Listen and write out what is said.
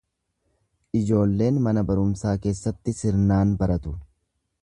Ijoolleen mana barumsaa keessatti sirnaan baratu.